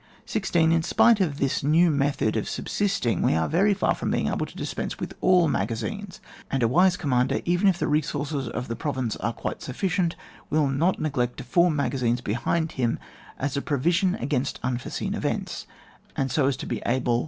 16. In spite of this new method of subsisting, we are very far from being able to dispense with all magazines, and a wise commander, even if the re sources of the province are quite euf flcient, will not neglect to form magazines behind him as a provision against un foreseen events, and so as to be able 114 ON WAR.